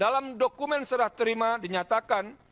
dalam dokumen serah terima dinyatakan